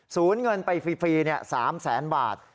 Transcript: ศูนย์เงินไปฟรีเนี่ยสามแสนบาท